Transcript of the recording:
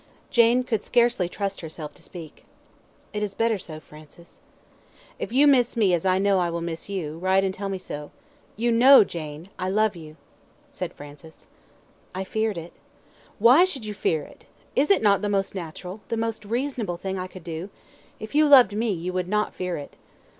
Jane could scarcely trust herself to speak. "It is better so, Francis." "If you miss me as I know I will miss you, write and tell me so. You KNOW, Jane, I love you," said Francis. "I feared it." "Why should you fear it? Is it not the most natural, the most reasonable thing I could do? If you loved me you would not fear it."